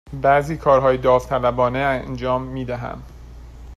بعضی کارهای داوطلبانه انجام می دهم.